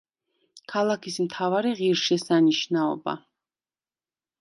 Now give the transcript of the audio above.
ქალაქის მთავარი ღირსშესანიშნაობა.